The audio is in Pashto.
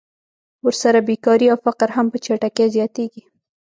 ورسره بېکاري او فقر هم په چټکۍ زیاتېږي